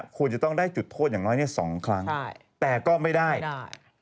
ควรจะต้องได้จุดโทษอย่างน้อย๒ครั้งแต่ก็ไม่ได้